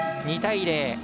２対０。